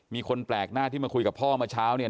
มีคนแปลกหน้าที่มาคุยกับพ่อเมื่อเช้าเนี่ย